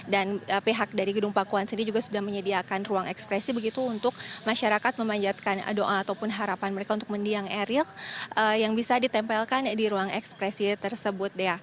dan pihak dari gedung pakuan sendiri juga sudah menyediakan ruang ekspresi begitu untuk masyarakat memanjatkan doa ataupun harapan mereka untuk mendiang eril yang bisa ditempelkan di ruang ekspresi tersebut